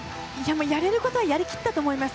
やれることはやり切ったと思います。